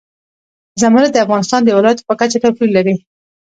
زمرد د افغانستان د ولایاتو په کچه توپیر لري.